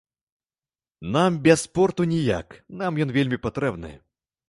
Нам без спорту ніяк, нам ён вельмі патрэбны.